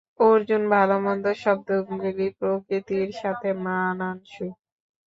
অর্জুন, ভালো-মন্দ শব্দগুলি প্রকৃতির সাথে মানান সই।